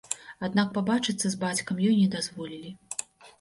Аднак пабачыцца з бацькам ёй не дазволілі.